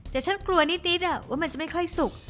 แต่ฉันกลัวนิดว่ามันจะไม่ค่อยสุก